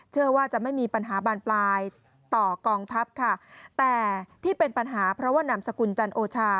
เชื่อว่าจะไม่มีปัญหาบานปลายต่อกองทัพค่ะแต่ที่เป็นปัญหาเพราะว่านามสกุลจันโอชา